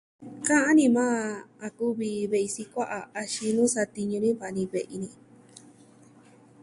ka'an ni maa a kuvi ve'i sikua'a axin nuu satiñu ni va ni ve'i ni.